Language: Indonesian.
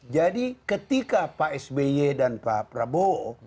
jadi ketika pak sby dan pak prabowo